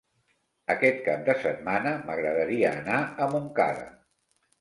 Aquest cap de setmana m'agradaria anar a Montcada.